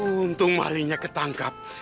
untung malingnya ketangkap